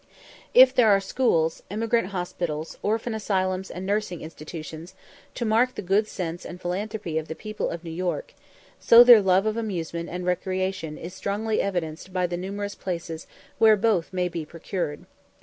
If there are schools, emigrant hospitals, orphan asylums, and nursing institutions, to mark the good sense and philanthropy of the people of New York, so their love of amusement and recreation is strongly evidenced by the numerous places where both may be procured.